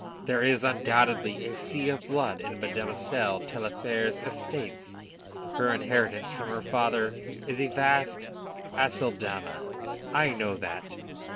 There is undoubtedly a sea of blood in Mademoiselle Taillefer's estates; her inheritance from her father is a vast Aceldama. I know that.